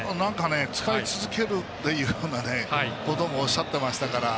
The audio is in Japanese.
使い続けるというようなこともおっしゃってましたから。